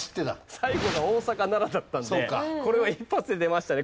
最後が大阪奈良だったんでこれは一発で出ましたね。